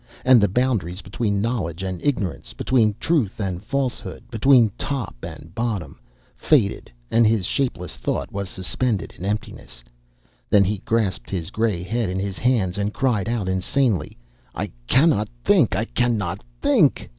And the boundaries between knowledge and ignorance, between truth and falsehood, between top and bottom, faded and his shapeless thought was suspended in emptiness. Then he grasped his grey head in his hands and cried out insanely: "I cannot think! I cannot think!"